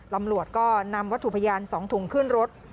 ตำรวจก็นำวัตถุพยาน๒ถุงขึ้นรถ